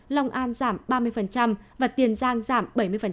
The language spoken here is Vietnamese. long an giảm ba mươi và tiền giang giảm bảy mươi